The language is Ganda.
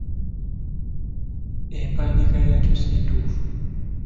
Empandiika yaakyo si ntuufu.